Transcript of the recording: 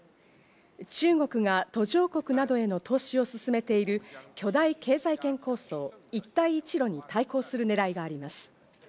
中国が途上国などへの投資を進めている巨大経済圏構想、一帯一路に対抗する狙いがあります。